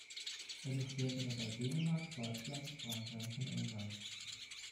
Er durchquerte dabei Dänemark, Deutschland, Frankreich und England.